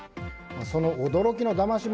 その驚きのだまし